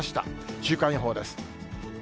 週間予報です。